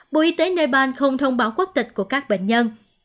bộ y tế nepal không thông báo quốc tịch của các bệnh nhân